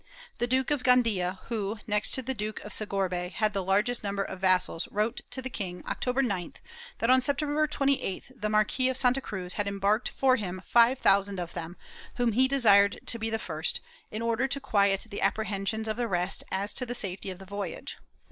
The Duke of Gandia who, next to the Duke of Segorbe, had the largest number of vas sals, wrote to the king, October 9th, that on September 28th the Marquis of Santa Cruz had embarked for him five thousand of them, whom he desired to be the first, in order to quiet the appre hensions of the rest as to the safety of the voyage.